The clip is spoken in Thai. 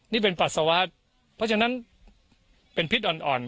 นี่เป็นปัสสาวะเพราะฉะนั้นเป็นพิษอ่อน